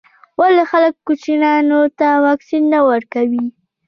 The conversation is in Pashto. ولي خلګ کوچنیانو ته واکسین نه ورکوي.